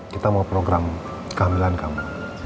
kita mau program kehamilan kamu